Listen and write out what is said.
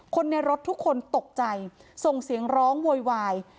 คนในรถทุกคนตกใจส่งเสียงร้องโวยวาย